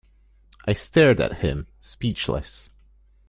I stared at him, speechless.